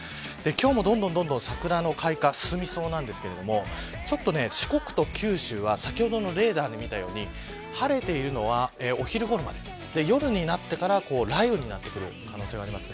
今日も、どんどん桜の開花進みそうなんですけど四国と九州は先ほどのレーダーで見たように晴れているのはお昼ごろまで夜になってから雷雨になってくる可能性があります。